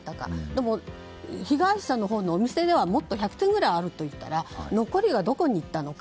どうも、被害者のほうのお店ではもっと１００点ぐらいあるというので残りはどこにいったのか。